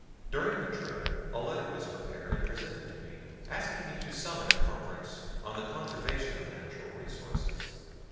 During the trip a letter was prepared and presented to me asking me to summon a conference on the conservation of natural resources.